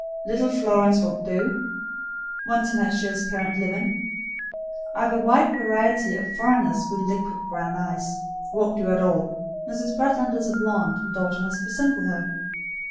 Little Florence won't do one tenacious parent living. I've a wide variety of foreigners with liquid brown eyes won't do at all. Mrs. Bretland is a blonde, and daughter must resemble her.